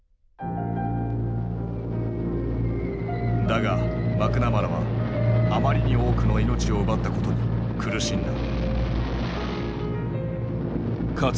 だがマクナマラはあまりに多くの命を奪ったことに苦しんだ。